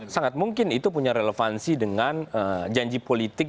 sangat mungkin itu punya relevansi dengan janji politik